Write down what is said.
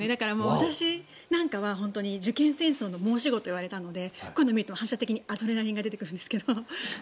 私なんかは受験戦争の申し子といわれたのでこういうのを見ると反射的にアドレナリンが出てくるんですが。